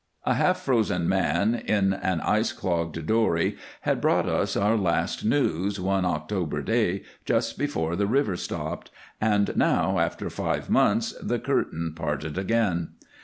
A half frozen man in an ice clogged dory had brought us our last news, one October day, just before the river stopped, and now, after five months, the curtain parted again.